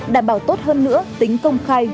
đảm bảo tốt hơn nữa tính công khai